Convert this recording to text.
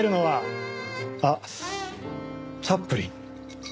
あっチャップリンに。